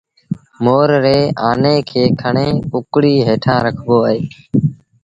مور ري آني کي کڻي ڪڪڙيٚ هيٺآن رکبو اهي